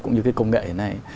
cũng như cái công nghệ này